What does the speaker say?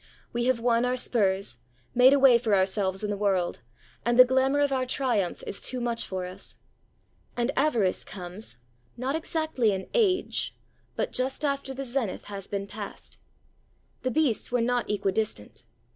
We have won our spurs, made a way for ourselves in the world, and the glamour of our triumph is too much for us. And Avarice comes, not exactly in age, but just after the zenith has been passed. The beasts were not equidistant.